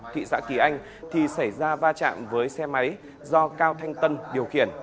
thị xã kỳ anh thì xảy ra va chạm với xe máy do cao thanh tân điều khiển